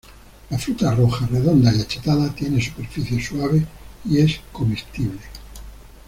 La fruta roja redonda y achatada, tiene superficie suave y es comestible.